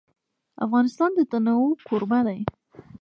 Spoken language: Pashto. افغانستان د تنوع کوربه دی.